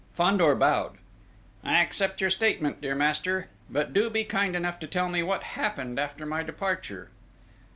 Fandor bowed: "I accept your statement, dear master!... But, do be kind enough to tell me what happened after my departure?"